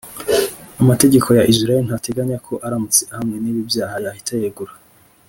Amategeko ya Israel ntateganya ko aramutse ahamwe n’ibi byaha yahita yegura